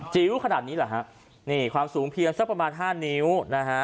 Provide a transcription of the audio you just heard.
ขนาดนี้เหรอฮะนี่ความสูงเพียงสักประมาณห้านิ้วนะฮะ